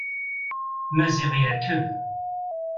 Maziɣ yerkeb.